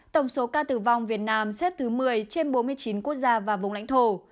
tổng số ca tử vong việt nam xếp thứ một mươi trên bốn mươi chín quốc gia và vùng lãnh thổ